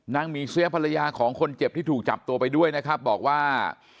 หมีเสียภรรยาของคนเจ็บที่ถูกจับตัวไปด้วยนะครับบอกว่า